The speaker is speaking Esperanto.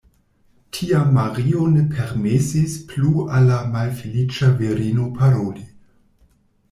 Tiam Mario ne permesis plu al la malfeliĉa virino paroli.